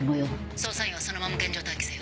捜査員はそのまま現場待機せよ。